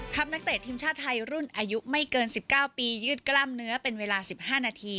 ครับนักเตะทีมชาติไทยรุ่นอายุไม่เกินสิบเก้าปียืดกล้ามเนื้อเป็นเวลาสิบห้านาที